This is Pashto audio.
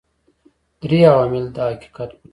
درې عوامل دا حقیقت پټوي.